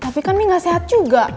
tapi kan ini gak sehat juga